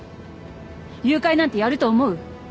誘拐なんてやると思う？